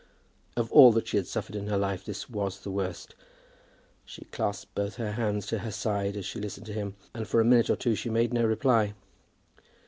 Of all that she had suffered in her life this was the worst. She clasped both her hands to her side as she listened to him, and for a minute or two she made no reply.